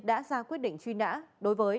đã ra quyết định truy nã đối với